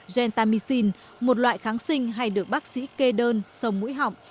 gentamicin một loại kháng sinh hay được bác sĩ kê đơn sông mũi họng